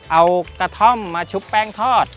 เอากระท่อมมาชุบแป้งทอด